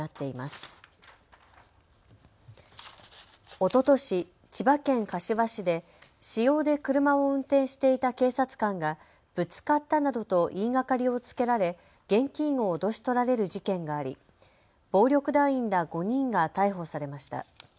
おととし千葉県柏市で私用で車を運転していた警察官がぶつかったなどと言いがかりをつけられ現金を脅し取られる事件があり暴力団員ら５人が逮捕されました。